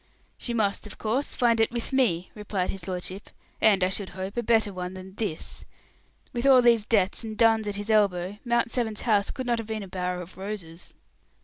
"She must, of course, find it with me," replied his lordship; "and, I should hope, a better one than this. With all these debts and duns at his elbow, Mount Severn's house could not have been a bower of roses."